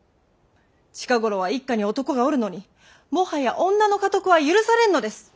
近頃は一家に男がおるのにもはや女の家督は許されぬのです。